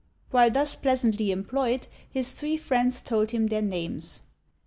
While thus pleasantly employed, his three friends told him their names.